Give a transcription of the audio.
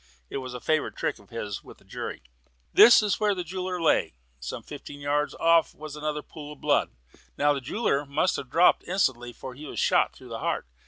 It was a favourite trick of his with the jury. "This was where the jeweller lay. Some fifteen yards off there was another pool of blood. Now the jeweller must have dropped instantly for he was shot through the heart.